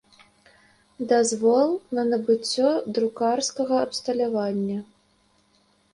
Дазвол на набыццё друкарскага абсталявання.